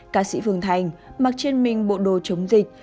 ca sĩ phương thành mặc trên mình bộ đồ chống dịch